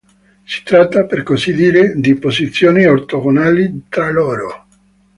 Si tratta, per così dire, di posizioni "ortogonali" tra loro.